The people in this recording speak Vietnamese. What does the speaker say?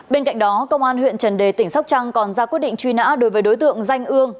bên cạnh đó công an huyện trần đề tỉnh sóc trăng còn ra quyết định truy nã đối với đối tượng danh ương